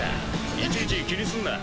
いちいち気にすんな。